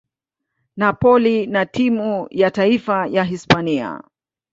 Napoli na timu ya taifa ya Hispania.